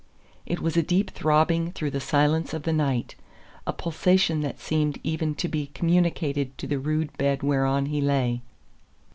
It was a deep throbbing through the silence of the night a pulsation that seemed even to be communicated to the rude bed whereon he lay.